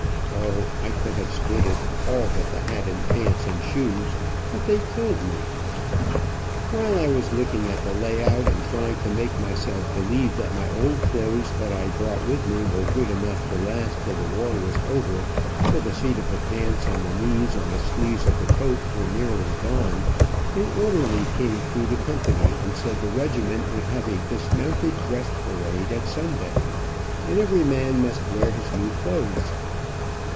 O, I could have stood it, all but the hat, and pants, and shoes, but they killed me. While I was looking at the lay out, and trying to make myself believe that my old clothes that I brought with me were good enough to last till the war was over, though the seat of the pants, and the knees, and the sleeves of the coat were nearly gone, an orderly came through the company and said the regiment would have a dismounted dress parade at sundown, and every man must wear his new clothes.